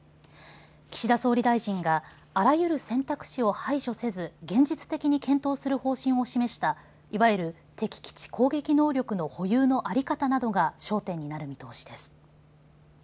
岸田総理大臣があらゆる選択肢を排除せず現実的に検討する方針を示した、いわゆる敵基地攻撃能力の保有の在り方などが焦点になる見通しです。